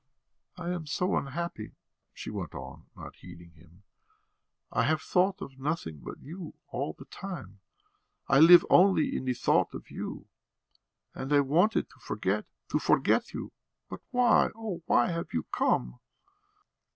"I am so unhappy," she went on, not heeding him. "I have thought of nothing but you all the time; I live only in the thought of you. And I wanted to forget, to forget you; but why, oh, why, have you come?"